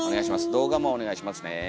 動画もお願いしますね。